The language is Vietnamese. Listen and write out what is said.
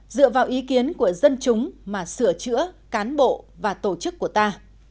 dựa vào ý kiến của dân chúng mà sửa chữa cán bộ và tổ chức của ta